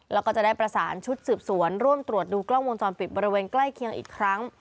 แล้วก็จะได้ประสานชุดสืบสวนร่วมตรวจดูกล้องวงจรปิดบริเวณใกล้เคียงอีกครั้ง